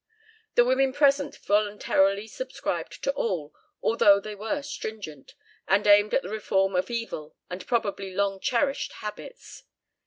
The women present voluntarily subscribed to all, although they were stringent, and aimed at the reform of evil and probably long cherished habits.